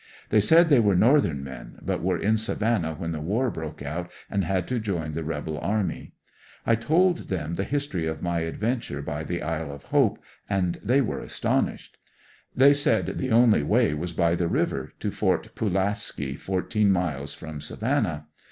They said they were northern men, but were in Savannah when the war broke out and had to join the rebel army. I told them the history of my adventure by the Isle of Hope and they were astonished. They said the only way was by the river to Fort Pulaski, fourteen miles from Savannah.